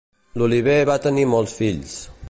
L'Oliver va tenir molts fills.